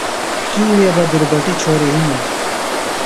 کی وے بہ دُربٹیۡ چھوریۡ ہِنِم۔